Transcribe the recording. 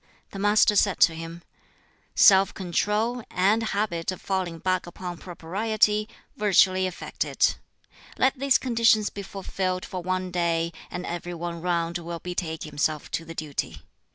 The Master said to him, "Self control, and a habit of falling back upon propriety, virtually effect it. Let these conditions be fulfilled for one day, and every one round will betake himself to the duty.